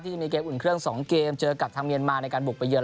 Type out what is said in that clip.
จะมีเกมอุ่นเครื่อง๒เกมเจอกับทางเมียนมาในการบุกไปเยิน